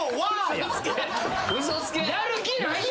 やる気ないやん。